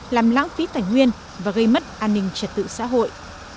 làm lãng phí tài nguyên và gây mất an ninh trật tự xã hội